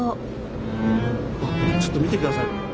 あっちょっと見てください！